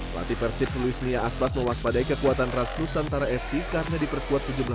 batik persib luismia asbas mewaspadai kekuatan trans nusantara fc karena diperkuat sejumlah